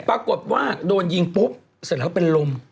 ปรากฏว่าโดนยิงปุ๊บเสร็จแล้วเป็นลม